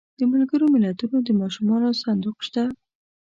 د ملګرو ملتونو د ماشومانو صندوق شته.